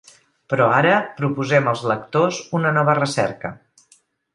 Però ara proposem als lectors una nova recerca.